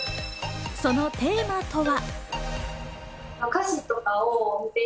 そのテーマとは。